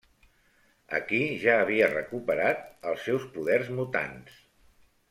A aquí ja havia recuperat els seus poders mutants.